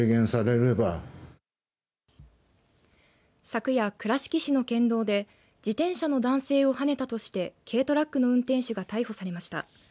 昨夜、倉敷市の県道で自転車の男性をはねたとして軽トラックの運転手が逮捕されました。